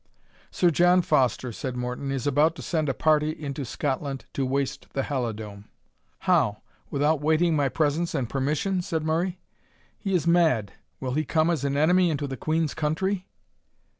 "Sir John Foster," said Morton, "is about to send a party into Scotland to waste the Halidome." "How! without waiting my presence and permission?" said Murray "he is mad will he come as an enemy into the Queen's country?"